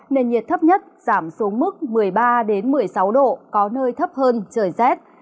nền nhiệt thấp nhất giảm xuống mức một mươi ba một mươi sáu độ có nơi thấp hơn trời rét